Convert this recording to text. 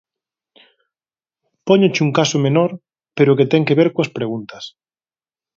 Póñoche un caso menor pero que ten que ver coas preguntas.